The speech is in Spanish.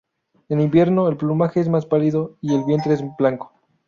En invierno, el plumaje es más pálido, y el vientre es blanco.